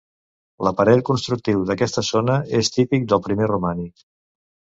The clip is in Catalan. L'aparell constructiu d'aquesta zona és típic del primer romànic.